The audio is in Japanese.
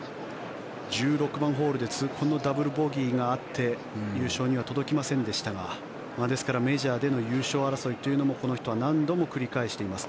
１６番ホールで痛恨のダブルボギーがあって優勝には届きませんでしたがですからメジャーでの優勝争いというのもこの人は何度も繰り返しています。